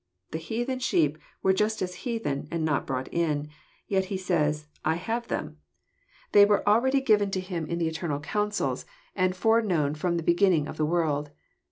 The heathen sheep were as yet heathen, and not brought in : yet He says, " I have them." They were already given to Him 198 EXPOSITORY THOUGHTS. In the eternal councils, and foreknown from the beginning of the world.